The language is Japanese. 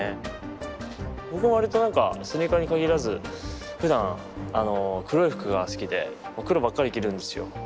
僕もわりとなんかスニーカーに限らずふだん黒い服が好きで黒ばっかり着るんですよ。